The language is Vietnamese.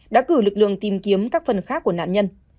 đã cử lực lượng tìm kiếm các phần khác của nạn nhân